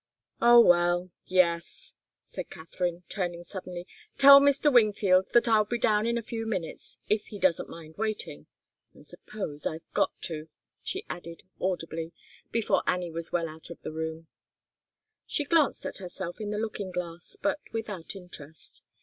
"Oh, well! Yes," said Katharine, turning suddenly. "Tell Mr. Wingfield that I'll be down in a few minutes, if he doesn't mind waiting. I suppose I've got to," she added, audibly, before Annie was well out of the room. She glanced at herself in the looking glass, but without interest.